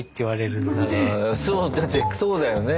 そうだってそうだよね。